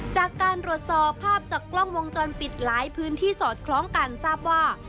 จากการตรวจสอบภาพจากกล้องวงจรปิดหลายพื้นที่สอดคล้องกันทราบว่า